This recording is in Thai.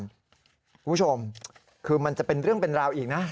คุณผู้ชมคือมันจะเป็นเรื่องเป็นราวอีกนะ